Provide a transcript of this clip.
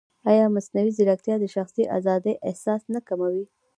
ایا مصنوعي ځیرکتیا د شخصي ازادۍ احساس نه کموي؟